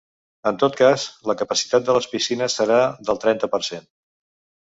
En tot cas, la capacitat de les piscines serà del trenta per cent.